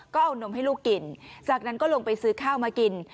ก็เอานมให้ลูกกินจากนั้นก็ลงไปซื้อข้าวมากิน